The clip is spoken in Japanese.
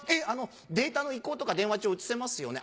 「データの移行とか電話帳移せますよね？」。